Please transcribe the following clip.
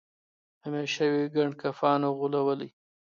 همېشه وي ګنډکپانو غولولی